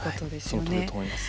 はいそのとおりと思います。